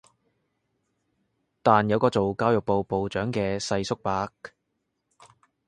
但有個做教育部部長嘅世叔伯